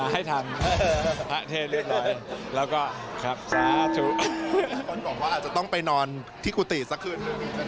หัดตื่น